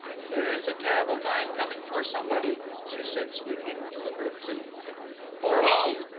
There is a terrible time coming for somebody," she said, speaking deliberately. "For whom?"